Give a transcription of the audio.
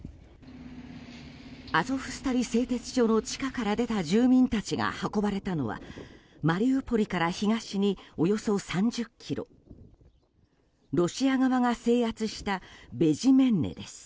アゾフスタリ製鉄所の地下から出た住民たちが運ばれたのはマリウポリから東におよそ３０ｋｍロシア側が制圧したベジメンネです。